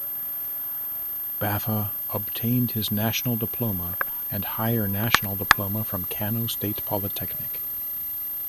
Baffa obtained his National Diploma and Higher National Diploma from Kano State Polytechnic.